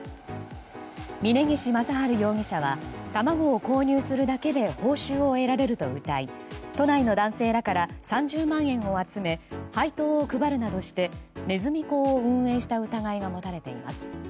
峯岸正治容疑者は卵を購入するだけで報酬を得られるとうたい都内の男性らから３０万円を集め配当を配るなどしてネズミ講を運営した疑いが持たれています。